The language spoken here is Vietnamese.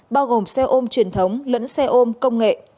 bao gồm xe ôm truyền thống lẫn xe ôm công nghệ